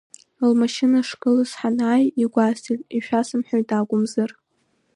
Лмашьына шгылаз ҳанааи игәасҭеит, ишәасымҳәеит акәымзар.